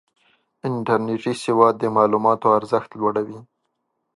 انټرنېټي سواد د معلوماتو ارزښت لوړوي.